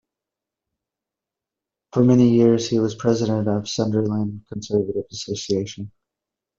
For many years, he was president of Sunderland Conservative Association.